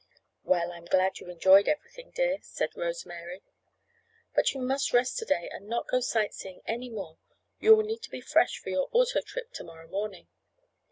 "Well, I'm glad you enjoyed everything, dear," said Rose Mary. "But you must rest to day and not go sight seeing any more. You will need to be fresh for your auto trip to morrow morning."